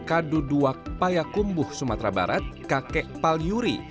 kadu duwak payakumbuh sumatera barat kakek pal yuri